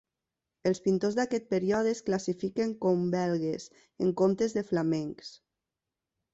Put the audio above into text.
Els pintors d'aquest període es classifiquen com Belgues en comptes de flamencs.